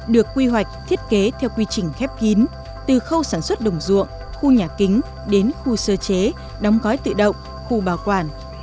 được quy hoạch thiết kế theo quy trình khép kín từ khâu sản xuất đồng ruộng khu nhà kính đến khu sơ chế đóng gói tự động khu bảo quản